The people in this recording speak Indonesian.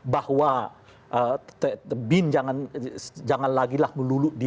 bahwa bin jangan lagilah melulu di komandir